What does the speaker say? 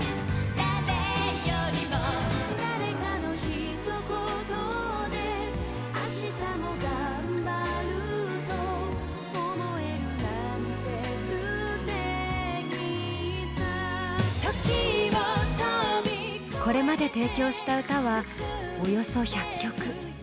これまで提供した歌はおよそ１００曲。